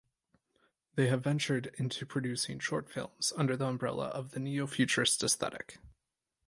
They have ventured into producing short films under the umbrella of the Neo-Futurist aesthetic.